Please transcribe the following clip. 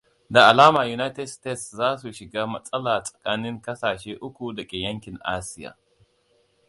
Da alama United States za su shiga matsala tsakanin ƙasashe uku dake yankin Asia.